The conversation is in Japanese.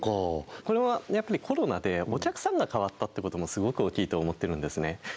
これはやっぱりコロナでお客さんが変わったってこともすごく大きいと思ってるんですね